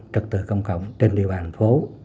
trực tự công cộng trên địa bàn phố